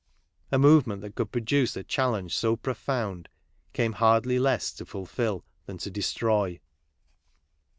A movement that could produce a challenge so profound came hardly less to fulfil than to destroy.